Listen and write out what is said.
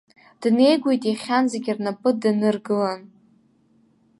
Днеигоит иахьанӡагь рнапы даныргылан.